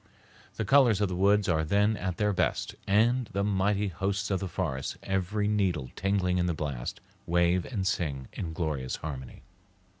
The colors of the woods are then at their best, and the mighty hosts of the forest, every needle tingling in the blast, wave and sing in glorious harmony.